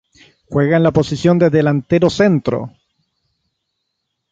Juega en la posición de delantero centro.